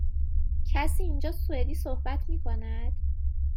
کسی اینجا سوئدی صحبت می کند؟